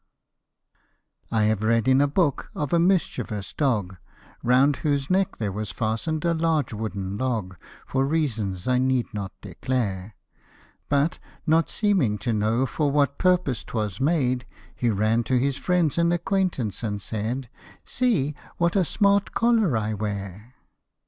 I HAVE read in a book of a mischievous dog, Round whose neck there was fasten'd a large wooden log) 44 For reasons I need not declare ; But, not seeming to know for what purpose 'twas made, He ran to his friends and acquaintance, and said, " See, what a smart collar I wear